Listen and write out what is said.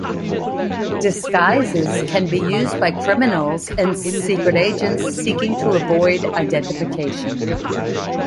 Disguises can be used by criminals and secret agents seeking to avoid identification.